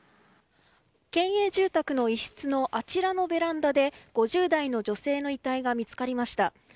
県営住宅の一室のあちらのベランダで５０代の女性の遺体が見つかりました。